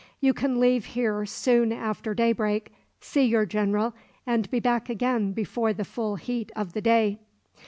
You can leave here soon after daybreak, see your general, and be back again before the full heat of the day."